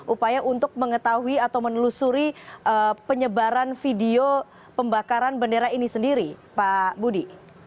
upaya untuk mengetahui atau menelusuri penyebaran video pembakaran bendera ini sendiri pak budi